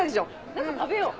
何か食べよう。